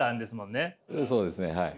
そうですねはい。